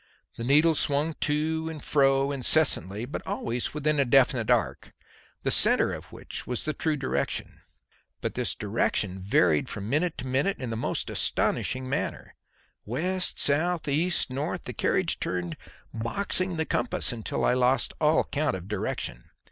The needle swung to and fro incessantly but always within a definite arc, the centre of which was the true direction. But this direction varied from minute to minute in the most astonishing manner. West, south, east, north, the carriage turned, "boxing" the compass until I lost all count of direction.